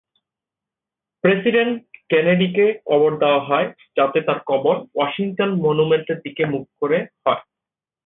President কেনেডিকে কবর দেয়া হয় যাতে তার কবর ওয়াশিংটন মনুমেন্টের দিকে মুখ করে হয়।